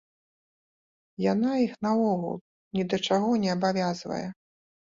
Яна іх наогул ні да чаго не абавязвае.